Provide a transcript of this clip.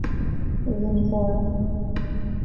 A dhaoine córa,